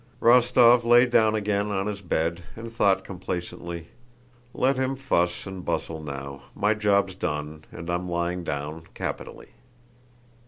Rostóv lay down again on his bed and thought complacently: "Let him fuss and bustle now, my job's done and I'm lying down—capitally!"